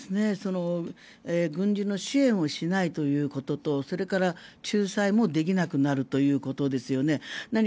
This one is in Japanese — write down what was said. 軍事の支援をしないということとそれから仲裁もできなくなるということですよね。